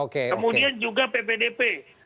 kemudian juga ppdp